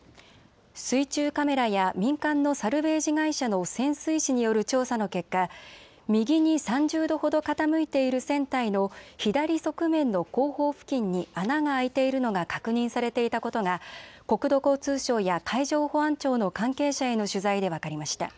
水中カメラや民間のサルベージ会社の潜水士による調査の結果、右に３０度ほど傾いている船体の左側面の後方付近に穴が開いているのが確認されていたことが国土交通省や海上保安庁の関係者への取材で分かりました。